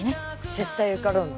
絶対受かろうな。